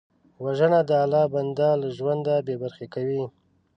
وژنه د الله بنده له ژونده بېبرخې کوي